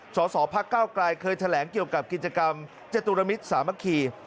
สสพักเก้าไกลเคยแถลงเกี่ยวกับกิจกรรมจตุรมิตรสามัคคี